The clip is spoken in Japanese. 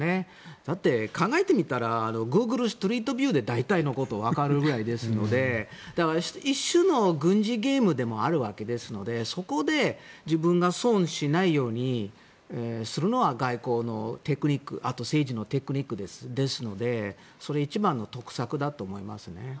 だって、考えてみたらグーグルストリートビューで大体のことはわかるぐらいですので一種の軍事ゲームでもあるわけですのでそこで自分が損しないようにするのは外交のテクニックあと、政治のテクニックですのでそれ、一番の得策だと思います。